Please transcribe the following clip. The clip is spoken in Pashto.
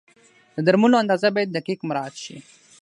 د درملو اندازه باید دقیق مراعت شي.